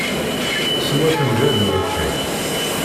Sew afenǧal n watay.